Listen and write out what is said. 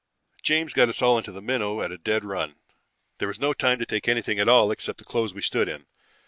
"James got us all into the Minnow at a dead run. There was no time to take anything at all except the clothes we stood in.